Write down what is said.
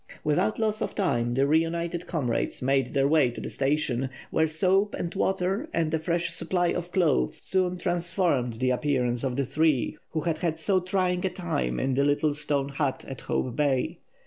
Without loss of time the reunited comrades made their way to the station, where soap and water and a fresh supply of clothes soon transformed the appearance of the three who had had so trying a time in the little stone hut at Hope Bay.